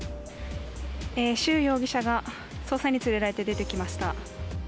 朱容疑者が捜査員に連れられて出てきました。